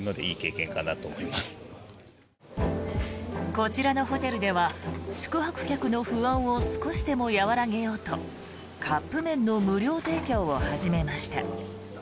こちらのホテルでは宿泊客の不安を少しでも和らげようとカップ麺の無料提供を始めました。